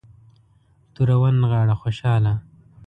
توره ونغاړه خوشحاله.